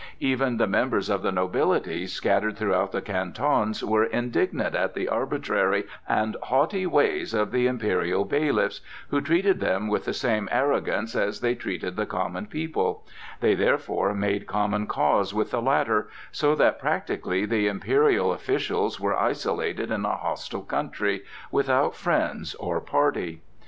Even the members of the nobility scattered through the Cantons were indignant at the arbitrary and haughty ways of the imperial bailiffs, who treated them with the same arrogance as they treated the common people; they therefore made common cause with the latter, so that practically the imperial officials were isolated in a hostile country, without friends or party.